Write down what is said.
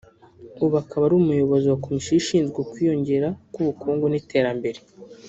ubu akaba ari Umuyobozi wa Komisiyo Ishinzwe Ukwiyongera k’Ubukungu n’Iterambere